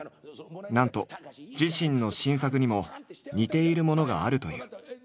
なんと自身の新作にも似ているものがあるという。